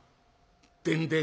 『でんでん』」。